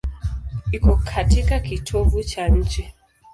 Iko katika kitovu cha nchi.